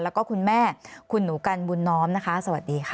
แล้วก็คุณแม่คุณหนูกันบุญน้อมนะคะสวัสดีค่ะ